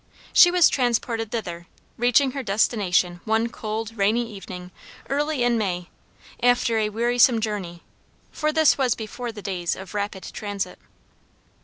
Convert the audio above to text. She was transported thither, reaching her destination one cold rainy evening early in May, after a wearisome journey, for this was before the days of rapid transit.